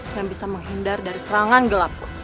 yang bisa menghindar dari serangan gelap